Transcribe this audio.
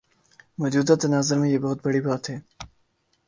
موجودہ تناظر میں یہ بہت بڑی بات ہے۔